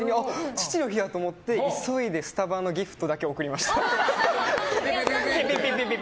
父の日だと思って、急いでスタバのギフトを贈りました。